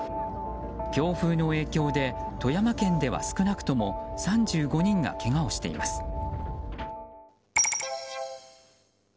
強風の影響で、富山県では少なくとも３５人がけがをしています。